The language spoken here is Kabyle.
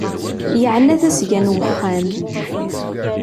Yeɛna tasga n uxxam.